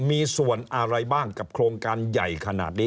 มีส่วนอะไรบ้างกับโครงการใหญ่ขนาดนี้